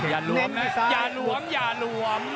อย่าหลวมนะอย่าหลวมอย่าหลวม